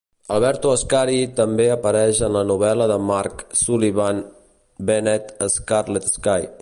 Alberto Ascari també apareix en la novel·la de Mark Sullivan "Beneath a scarlet sky".